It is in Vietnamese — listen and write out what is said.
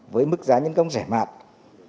với mức giá nhân công rẻ mạng